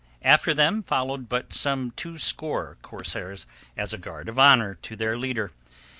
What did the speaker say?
After them followed but some two score corsairs as a guard of honour to their leader.